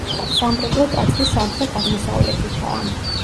სამრეკლო ტაძრის სამხრეთ-აღმოსავლეთითაა.